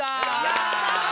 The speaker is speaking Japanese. やった！